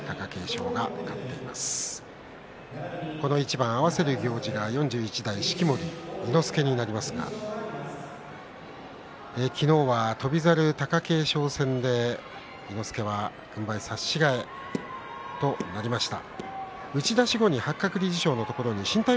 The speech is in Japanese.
この一番、合わせる行司は４１代、式守伊之助になりますが昨日は翔猿、貴景勝戦で伊之助は軍配差し違えとなりました。